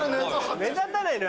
目立たないのよ